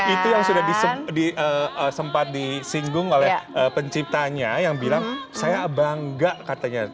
itu yang sudah sempat disinggung oleh penciptanya yang bilang saya bangga katanya